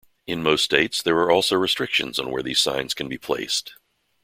In most states, there are also restrictions on where these signs can be placed.